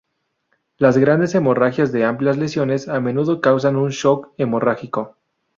Las grandes hemorragias de amplias lesiones, a menudo causan un "shock" hemorrágico.